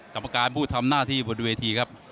กรรมการผู้ทำหน้าที่บนเวทีครับ